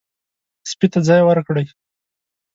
سپي ته ځای ورکړئ.